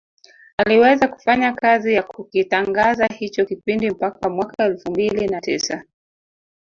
Aliweza kufanya kazi ya kukitangaza hicho kipindi mpaka mwaka elfu mbili na tisa